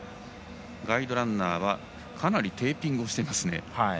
ガイドランナーはかなりテーピングをしていますね。